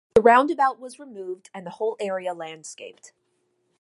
The roundabout was removed and the whole area landscaped.